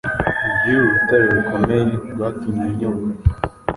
y'uru rutare rukomeye rwatumye nyobora